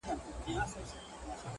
لږ په هنر ږغېږم; ډېر ډېر په کمال ږغېږم;